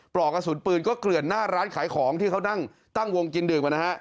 ปลอกกระสุนปืนก็เกลื่อนหน้าร้านขายของที่เขานั่งตั้งวงกินดื่มนะฮะ